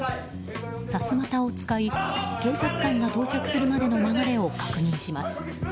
さすまたを使い警察官が到着するまでの流れを確認します。